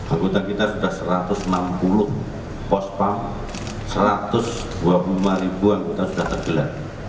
anggota kita sudah satu ratus enam puluh pospam satu ratus dua puluh lima ribu anggota sudah tergelar